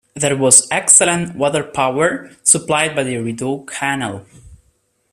There was excellent water-power supplied by the Rideau canal.